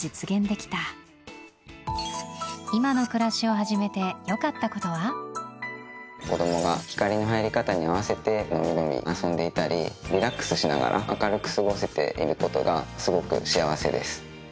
元々に変え子供が光の入り方に合わせてのびのび遊んでいたりリラックスしながら明るく過ごせていることがすごく幸せです。